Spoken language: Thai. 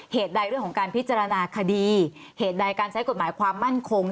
เหตุใดเรื่องของการพิจารณาคดีเหตุใดการใช้กฎหมายความมั่นคง